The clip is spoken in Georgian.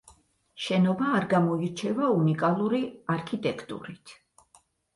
შენობა არ გამოირჩევა უნიკალური არქიტექტურით.